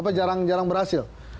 apa jarang berhasil